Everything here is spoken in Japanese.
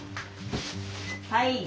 はい。